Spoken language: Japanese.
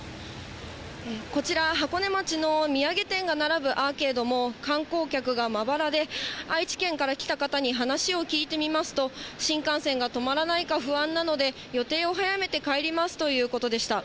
こちら、箱根町の土産店が並ぶアーケードも、観光客がまばらで、愛知県から来た方に話を聞いてみますと、新幹線が止まらないか不安なので、予定を早めて帰りますということでした。